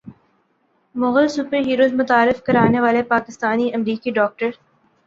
Mughal superheroes متعارف کرانے والے پاکستانی امریکی ڈاکٹر